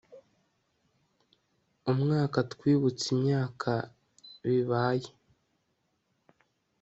umwaka twibutse imyaka bibaye)